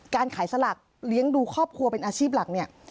การขายสลักเลี้ยงดูครอบครัวเป็นอาชีพหลักเนี่ย